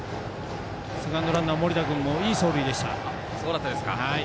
セカンドランナー森田君も、いい走塁でした。